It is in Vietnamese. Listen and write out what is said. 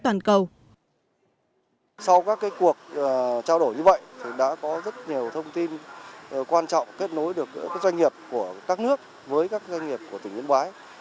sau các cuộc trao đổi như vậy thì đã có rất nhiều thông tin quan trọng kết nối được doanh nghiệp của các nước với các doanh nghiệp của tỉnh yên bái